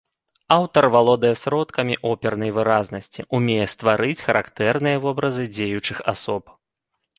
Аўтар валодае сродкамі опернай выразнасці, умее стварыць характэрныя вобразы дзеючых асоб.